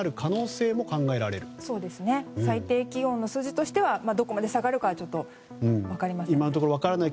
最低気温の数字としてはどこまで下がるかはちょっと分かりません。